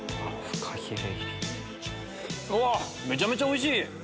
めちゃめちゃおいしい！